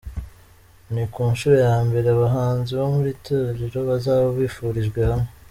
Ni ku nshuro ya mbere abahanzi bo muri iri torero bazaba bahurijwe hamwe.